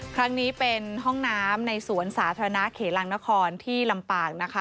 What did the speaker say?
ครั้งนี้เป็นห้องน้ำในสวนสาธารณะเขลังนครที่ลำปางนะคะ